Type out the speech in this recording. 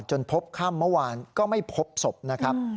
พบค่ำเมื่อวานก็ไม่พบศพนะครับ